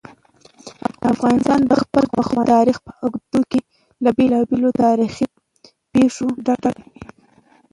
افغانستان د خپل پخواني تاریخ په اوږدو کې له بېلابېلو تاریخي پېښو ډک دی.